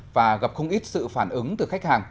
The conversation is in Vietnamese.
và gặp không ít sự phản ứng từ khách hàng